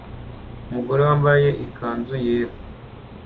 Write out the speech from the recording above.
umugore wambaye iknzu yera